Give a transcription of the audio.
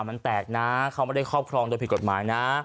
มันแตกนะเขาไม่ได้ครอบครองโดยผิดกฎหมายนะ